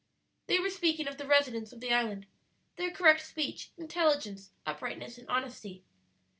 They were speaking of the residents of the island their correct speech, intelligence, uprightness, and honesty.